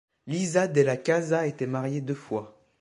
Lisa Della Casa a été mariée deux fois.